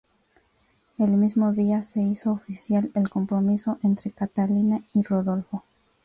El mismo día se hizo oficial el compromiso entre Catalina y Rodolfo.